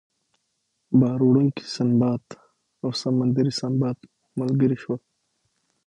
بار وړونکی سنباد او سمندري سنباد ملګري شول.